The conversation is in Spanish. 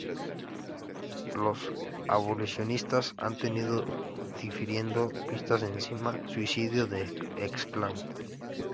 Los abolicionistas han tenido difiriendo vistas encima suicidio de esclavo.